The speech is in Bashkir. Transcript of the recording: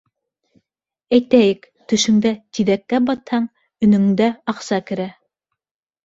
- Әйтәйек, төшөңдә тиҙәккә батһаң, өнөңдә аҡса керә.